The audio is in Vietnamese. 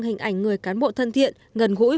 hình ảnh người cán bộ thân thiện ngần gũi